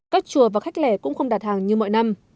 các chùa và khách lẻ cũng không đặt hàng như mọi năm